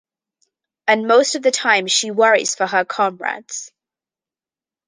And most of the time, she worries for her comrades.